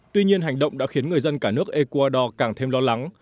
tuy nhiên hành động đã khiến người dân cả nước ecuador càng thêm lo lắng